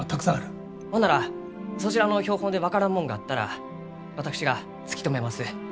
ほんならそちらの標本で分からんもんがあったら私が突き止めます。